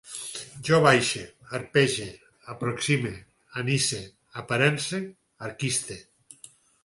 Jo baixe, arpege, aproxime, anise, aparence, aquiste